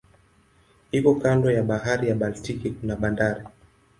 Iko kando ya bahari ya Baltiki kuna bandari.